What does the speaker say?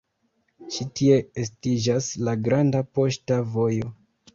Ĉi tie estiĝas la Granda Poŝta Vojo.